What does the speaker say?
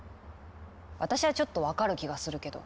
私はちょっと分かる気がするけど。